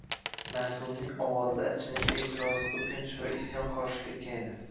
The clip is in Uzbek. Mas’ulning ovozida achinish, e’tiroz, o‘kinch va isyon qorishib ketgan edi.